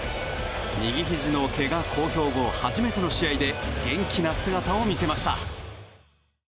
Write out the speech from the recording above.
右ひじのけが公表後初めての試合で元気な姿を見せました。